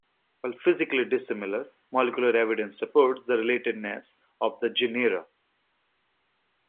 While physically dissimilar, molecular evidence supports the relatedness of the genera.